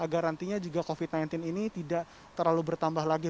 agar nantinya juga covid sembilan belas ini tidak terlalu bertambah lagi